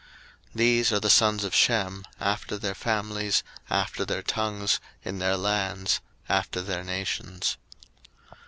01:010:031 These are the sons of Shem, after their families, after their tongues, in their lands, after their nations.